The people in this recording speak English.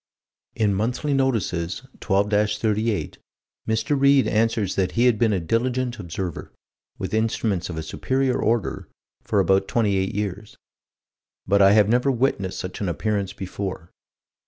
In Monthly Notices, 12 38, Mr. Read answers that he had been a diligent observer, with instruments of a superior order, for about 28 years "but I have never witnessed such an appearance before."